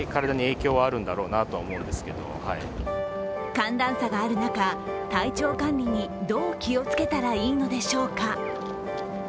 寒暖差がある中、体調管理にどう気をつけたらいいのでしょうか。